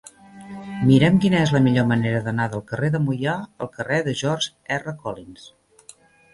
Mira'm quina és la millor manera d'anar del carrer de Moià al carrer de George R. Collins.